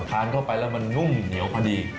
ทานเข้าไปแล้วมันนุ่มเหนียวพอดี